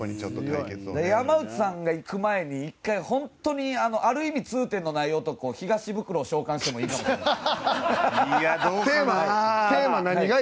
山内さんがいく前に、１回ある意味、痛点のない男東ブクロを召喚してもいいかもしれません。